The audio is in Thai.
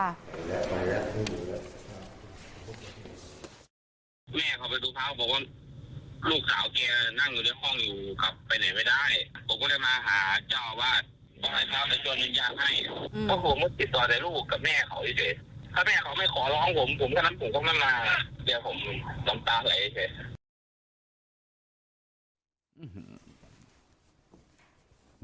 เดี๋ยวผมน้ำตาไหลให้เฉย